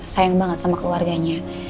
sayang banget sama keluarganya